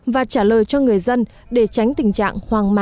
và trả lời cho người dân để tránh tình trạng hoang má